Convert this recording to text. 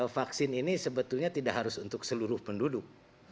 vaksin ini sebetulnya tidak harus untuk seluruh penduduk